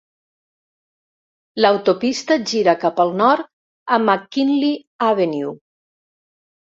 L'autopista gira cap al nord a McKinley Avenue.